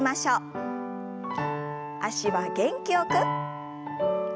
脚は元気よく。